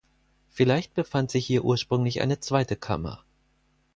Vielleicht befand sich hier ursprünglich eine zweite Kammer.